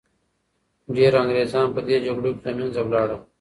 ډیر انګریزان په دې جګړو کي له منځه لاړل.